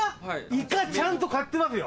イカちゃんと買ってますよ。